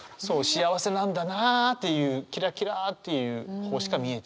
幸せなんだなあっていうキラキラっていう方しか見えてないっていう。